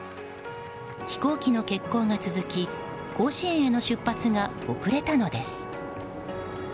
飛行機の欠航が続き甲子園への出発が遅れたのです。